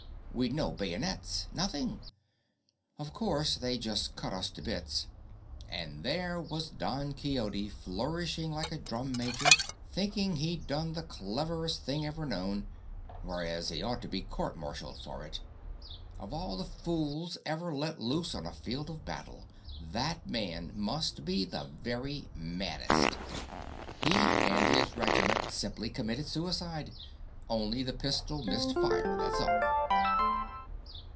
We'd no bayonets—nothing. Of course, they just cut us to bits. And there was Don Quixote flourishing like a drum major, thinking he'd done the cleverest thing ever known, whereas he ought to be courtmartialled for it. Of all the fools ever let loose on a field of battle, that man must be the very maddest. He and his regiment simply committed suicide—only the pistol missed fire, that's all.